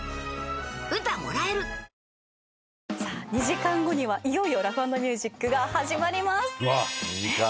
２時間後にはいよいよ『ラフ＆ミュージック』が始まります。